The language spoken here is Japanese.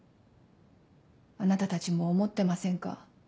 あなたたちも思ってませんか？